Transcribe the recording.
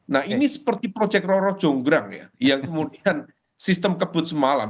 nah ini seperti proyek roro jonggrang ya yang kemudian sistem kebut semalam